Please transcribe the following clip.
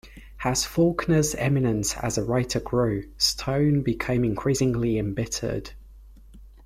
As Faulkner's eminence as a writer grew, Stone became increasingly embittered.